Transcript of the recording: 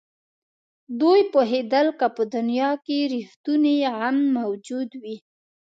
دوی پوهېدل که په دنیا کې رښتونی غم موجود وي.